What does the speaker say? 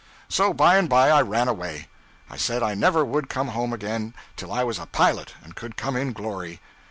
So by and by I ran away. I said I never would come home again till I was a pilot and could come in glory.